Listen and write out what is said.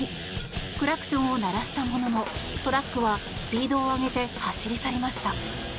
クラクションを鳴らしたもののトラックはスピードを上げて走り去りました。